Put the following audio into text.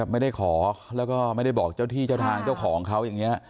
ไม่ได้ขอไม่ได้บอกเจ้าที่เจ้าทางเจ้าของเขา